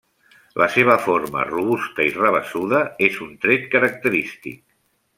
La seva forma robusta i rabassuda és un tret característic.